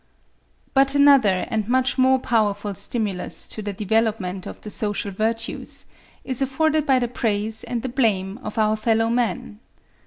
But another and much more powerful stimulus to the development of the social virtues, is afforded by the praise and the blame of our fellow men.